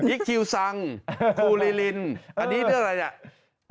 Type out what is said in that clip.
อิ๊กคิวซังครูลีลินอันนี้เรื่องอะไรอ่ะ